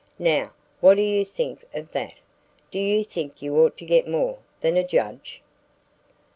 Now, what do you think of that? Do you think you ought to get more than a judge?"